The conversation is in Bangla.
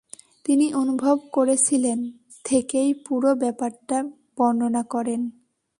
তিনি অনুভব করেছিলেন, থেকেই পুরো ব্যাপারটার বর্ণনা করেন।